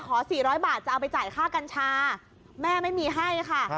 ๔๐๐บาทจะเอาไปจ่ายค่ากัญชาแม่ไม่มีให้ค่ะ